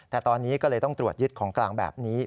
แต่ตอนนี้ก็เลยต้องตรวจยึดของกลางแบบนี้